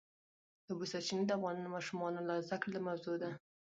د اوبو سرچینې د افغان ماشومانو د زده کړې موضوع ده.